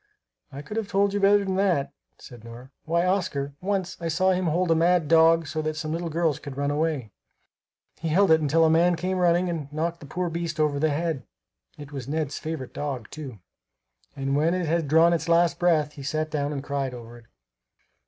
"I could have told you better than that," said Nora. "Why, Oscar, once I saw him hold a mad dog so that some little girls could run away. He held it until a man came running up and knocked the poor beast over the head. It was Ned's favorite dog, too, and when it had drawn its last breath he sat down and cried over it."